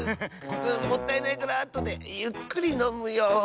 もったいないからあとでゆっくりのむよ。